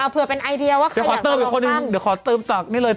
อ๋อเผื่อเป็นไอเดียว่าใครอยากกำลังตั้ง